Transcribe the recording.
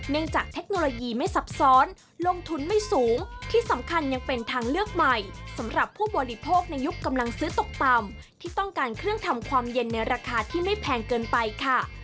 จากเทคโนโลยีไม่ซับซ้อนลงทุนไม่สูงที่สำคัญยังเป็นทางเลือกใหม่สำหรับผู้บริโภคในยุคกำลังซื้อตกต่ำที่ต้องการเครื่องทำความเย็นในราคาที่ไม่แพงเกินไปค่ะ